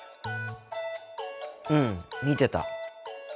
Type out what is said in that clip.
うん見てた。